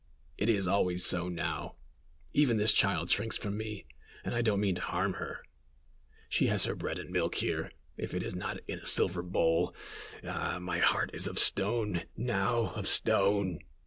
"It is always so now. Even this child shrinks from me, and I don't mean to harm her. She has her bread and milk here, if it is not in a silver bowl. Ah! my heart is of stone, now of stone!"